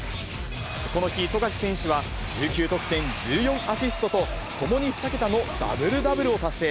この日、富樫選手は１９得点１４アシストと、ともに２桁のダブルダブルを達成。